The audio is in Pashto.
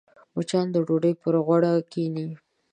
مچان د ډوډۍ پر غوړه کښېني